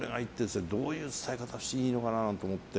どういう伝え方したらいいのかなと思って。